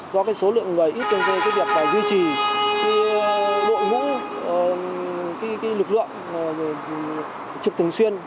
do số lượng người ít việc duy trì bộ ngũ lực lượng trực thường xuyên